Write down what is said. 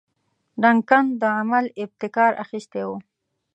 ډنکن د عمل ابتکار اخیستی وو.